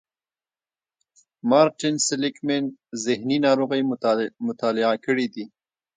مارټين سېليګ مېن ذهني ناروغۍ مطالعه کړې دي.